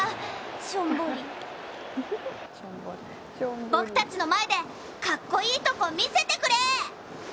しょんぼり僕たちの前で、かっこいいところ見せてくれ！